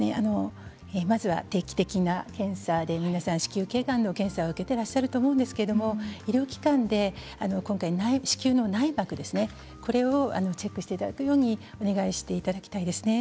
まずは定期的な検査で皆さん子宮けいがんの検査を受けていらっしゃると思うんですけれど医療機関で今回、子宮の内膜ですねこれをチェックしていただくようにお願いしたいですね。